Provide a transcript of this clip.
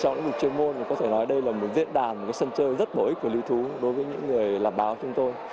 trong lĩnh vực chuyên môn có thể nói đây là một diễn đàn một sân chơi rất bổ ích và lý thú đối với những người làm báo chúng tôi